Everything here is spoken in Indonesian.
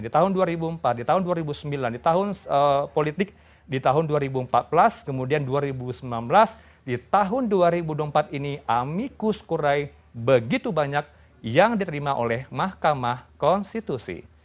di tahun dua ribu empat di tahun dua ribu sembilan di tahun politik di tahun dua ribu empat belas kemudian dua ribu sembilan belas di tahun dua ribu dua puluh empat ini amikus kurai begitu banyak yang diterima oleh mahkamah konstitusi